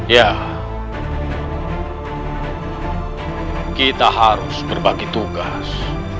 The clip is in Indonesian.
ya kita harus berbagi tugas